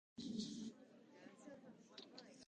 美しき薔薇に希望と夢を与えましょう